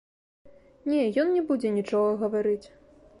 Не, ён не будзе нічога гаварыць.